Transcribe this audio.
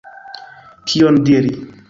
Kion diri!